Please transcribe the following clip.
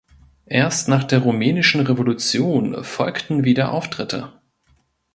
Erst nach der Rumänischen Revolution folgten wieder Auftritte.